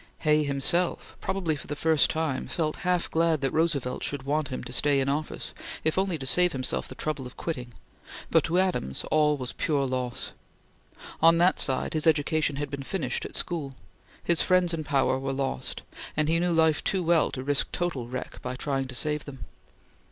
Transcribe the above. Hay himself, probably for the first time, felt half glad that Roosevelt should want him to stay in office, if only to save himself the trouble of quitting; but to Adams all was pure loss. On that side, his education had been finished at school. His friends in power were lost, and he knew life too well to risk total wreck by trying to save them.